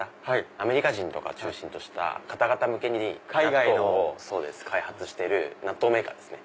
アメリカ人とかを中心とした方々向けに納豆を開発している納豆メーカーですね。